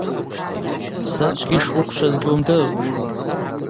Псарчӏвгьи шуыквшваз гьуымдырума?